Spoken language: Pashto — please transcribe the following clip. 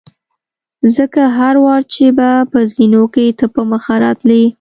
ځکه هر وار چې به په زینو کې ته په مخه راتلې.